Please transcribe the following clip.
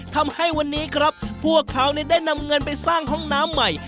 ทำให้วันนี้ครับพวกเขาได้นำเงินไปสร้างห้องน้ำใหม่